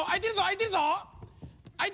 あいてるぞ！